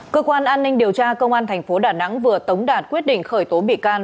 cơ quan an ninh điều tra công an tp đà nẵng vừa tống đạt quyết định khởi tố bị can